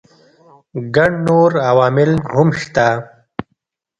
ګڼ نور عوامل هم شته.